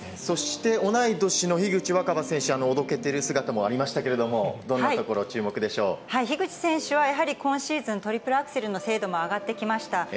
そして、同い年の樋口新葉選手、おどけている姿もありましたけれども、どんなところ、注目で樋口選手は、やはり今シーズン、トリプルアクセルの精度も上がってきました。